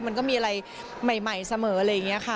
มันก็มีอะไรใหม่เสมออะไรอย่างนี้ค่ะ